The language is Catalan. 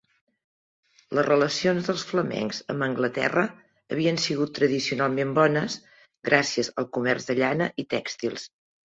Les relacions dels flamencs amb Anglaterra havien sigut tradicionalment bones, gràcies al comerç de llana i tèxtils.